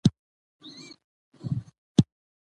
صفت د نوم بشپړ تصویر وړاندي کوي.